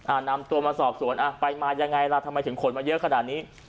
นำตัวมาสอบสวนอ่ะไปมายังไงล่ะทำไมถึงขนมาเยอะขนาดนี้